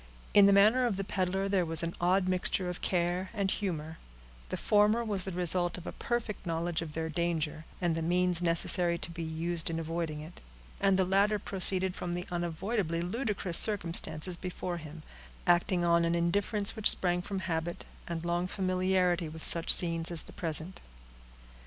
In the manner of the peddler there was an odd mixture of care and humor; the former was the result of a perfect knowledge of their danger, and the means necessary to be used in avoiding it; and the latter proceeded from the unavoidably ludicrous circumstances before him, acting on an indifference which sprang from habit, and long familiarity with such scenes as the present.